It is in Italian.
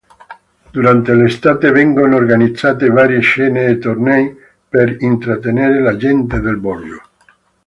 Durante l'estate vengono organizzate varie cene e tornei per intrattenere la gente del borgo.